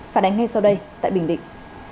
phản ánh ngay sau đây tại bình định